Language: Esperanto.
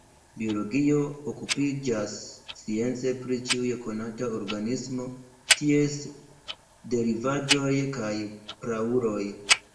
Biologio okupiĝas science pri ĉiu konata organismo, ties derivaĵoj kaj prauloj.